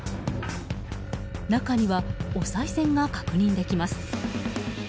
中には、おさい銭が確認できます。